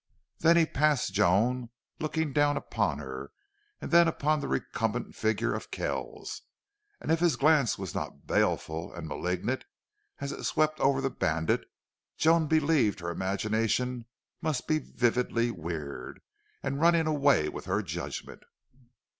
Then he passed Joan, looking down upon her and then upon the recumbent figure of Kells; and if his glance was not baleful and malignant, as it swept over the bandit, Joan believed her imagination must be vividly weird, and running away with her judgment.